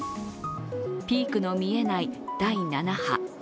ピークの見えない第７波。